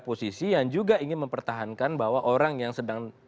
posisi yang juga ingin mempertahankan bahwa orang yang sedang